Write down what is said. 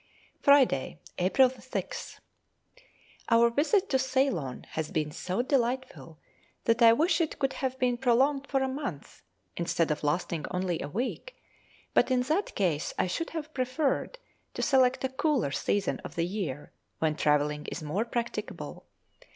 _ Friday, April 6th. Our visit to Ceylon has been so delightful that I wish it could have been prolonged for a month, instead of lasting only a week; but in that case I should have preferred to select a cooler season of the year, when travelling is more practicable.